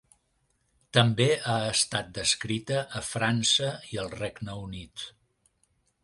També ha estat descrita a França i el Regne Unit.